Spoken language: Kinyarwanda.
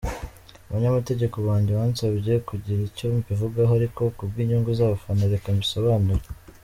Abanyamategeko banjye bansabye kutagira icyo mbivugaho ariko ku bw’inyungu z’abafana reka mbisobanure.